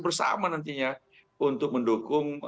bersama nantinya untuk mendukung